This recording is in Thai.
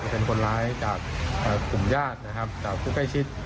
เป็นคนร้ายจากกลุ่มญาตินะครับจากผู้ใกล้ชิด